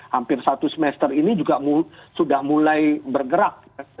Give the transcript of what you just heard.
hampir satu semester ini juga sudah mulai bergerak